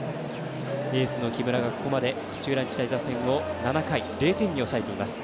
エースの木村が、ここまで土浦日大打線を７回０点に抑えています。